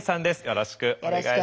よろしくお願いします。